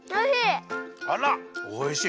あらおいしい。